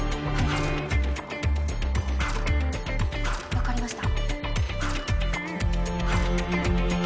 分かりました。